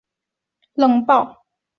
我们冷爆了